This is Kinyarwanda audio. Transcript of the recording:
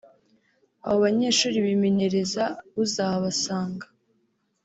abo banyeshuri bimenyereza uzahabasanga